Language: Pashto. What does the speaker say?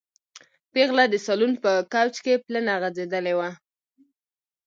پېغله د سالون په کوچ کې پلنه غځېدلې وه.